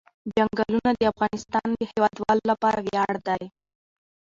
چنګلونه د افغانستان د هیوادوالو لپاره ویاړ دی.